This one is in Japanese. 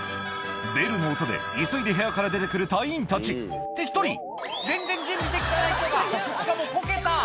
ベルの音で急いで部屋から出て来る隊員たちって１人全然準備できてない人がしかもこけた！